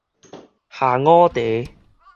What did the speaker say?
下午茶